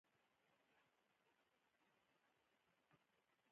خلکو زه له هغې سره ژوندی خښ کړم.